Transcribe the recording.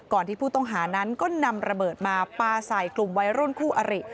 ที่ผู้ต้องหานั้นก็นำระเบิดมาปลาใส่กลุ่มวัยรุ่นคู่อริ